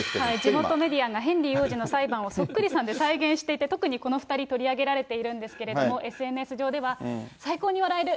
地元メディアがヘンリー王子の裁判をそっくりさんで再現していて、特にこの２人、取り上げられているんですけれども、ＳＮＳ上では、最高に笑える。